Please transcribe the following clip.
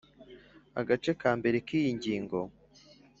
agace ka mbere k iyi ngingo